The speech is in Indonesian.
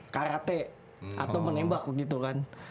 karate atau menembak begitu kan